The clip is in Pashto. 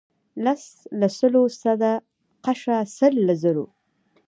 لس له سلو صدقه شه سل له زرو.